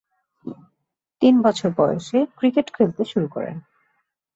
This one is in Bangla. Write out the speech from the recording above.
তিন বছর বয়সে ক্রিকেট খেলতে শুরু করেন।